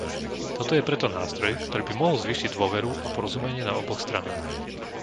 Toto je preto nástroj, ktorý by mohol zvýšiť dôveru a porozumenie na oboch stranách.